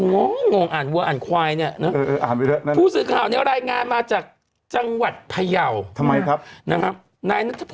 อย่างนี้คุณพูดไอ้อ่านกลายข่าวนี้ก่อนละกัน